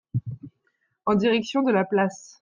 En direction de la place.